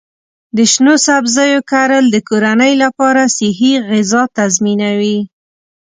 د شنو سبزیو کرل د کورنۍ لپاره صحي غذا تضمینوي.